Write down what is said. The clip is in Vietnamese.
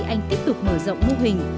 các nhà truyền thống tiếp tục mở rộng mô hình